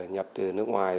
nhập từ nước ngoài